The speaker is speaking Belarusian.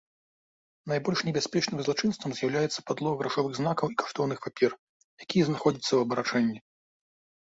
Найбольш небяспечным злачынствам з'яўляецца падлог грашовых знакаў і каштоўных папер, якія знаходзяцца ў абарачэнні.